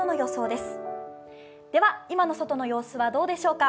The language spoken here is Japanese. では、今の外の様子はどうでしょうか。